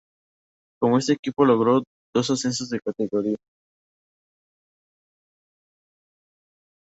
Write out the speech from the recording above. Con este equipo logró dos ascensos de categoría.